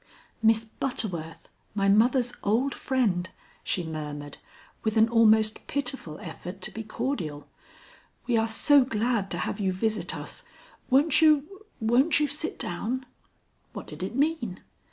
"Miss Butterworth, my mother's old friend," she murmured, with an almost pitiful effort to be cordial, "we are so glad to have you visit us. Won't you won't you sit down?" What did it mean?